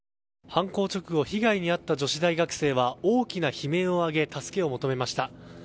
犯行直後被害に遭った女性大学生は大きな悲鳴を上げ助けを求めました。